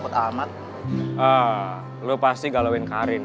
eh bangkuan men